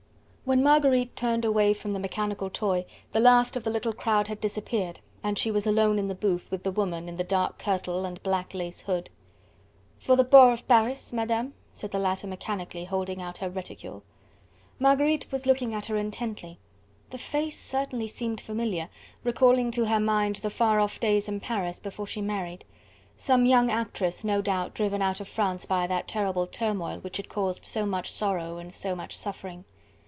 When Marguerite turned away from the mechanical toy, the last of the little crowd had disappeared, and she was alone in the booth with the woman in the dark kirtle and black lace hood. "For the poor of Paris, Madame," said the latter mechanically, holding out her reticule. Marguerite was looking at her intently. The face certainly seemed familiar, recalling to her mind the far off days in Paris, before she married. Some young actress no doubt driven out of France by that terrible turmoil which had caused so much sorrow and so much suffering.